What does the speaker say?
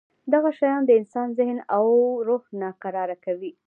دغه شیان د انسان ذهن او روح ناکراره کوي.